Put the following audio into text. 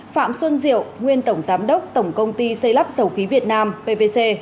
phạm xuân diệu nguyên tổng giám đốc tổng công ty xây lắp dầu ký việt nam pwc